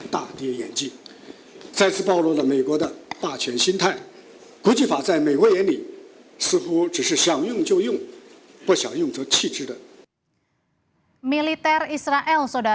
tapi amerika menyebutkan bahwa keputusan tidak ada